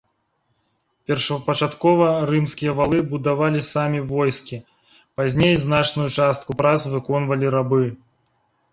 Першапачаткова рымскія валы будавалі самі войскі, пазней значную частку прац выконвалі рабы.